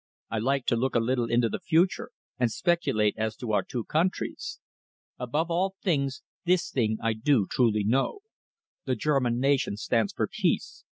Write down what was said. I like to look a little into the future and speculate as to our two countries. Above all things, this thing I do truly know. The German nation stands for peace.